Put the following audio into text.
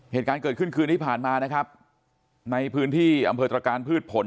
เหตุการณ์เกิดขึ้นคืนที่ผ่านมานะครับในพื้นที่อำเภอตรการพืชผล